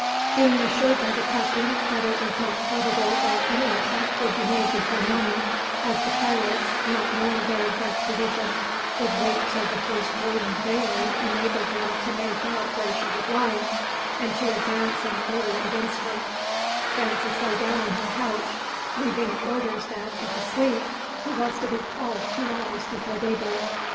Being assured by the captain that it was not probable that any attack would be made before morning, as the pirates, not knowing their exact position, would wait until the first gleam of daylight enabled them to make out where she was lying, and to advance in order against her, Francis lay down on his couch, leaving orders that, if asleep, he was to be called two hours before daybreak.